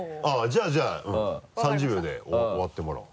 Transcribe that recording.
じゃあじゃあ３０秒で終わってもらおう。